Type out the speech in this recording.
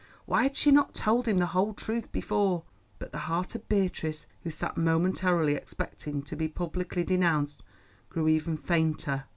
Why had she not told him the whole truth before? But the heart of Beatrice, who sat momentarily expecting to be publicly denounced, grew ever fainter.